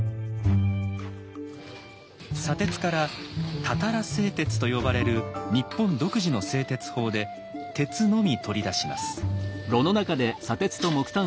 砂鉄から「たたら製鉄」と呼ばれる日本独自の製鉄法で鉄のみ取り出します。